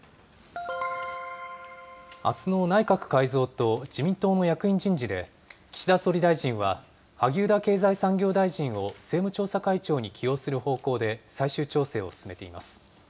あすの内閣改造と自民党の役員人事で、岸田総理大臣は、萩生田経済産業大臣を政務調査会長に起用する方向で最終調整を進めています。